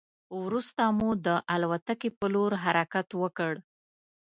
وروسته مو د الوتکې په لور حرکت وکړ.